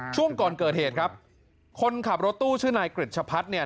ช่วงก่อนเกิดเหตุครับคนขับรถตู้ชื่อนายกริจชะพัฒน์เนี่ย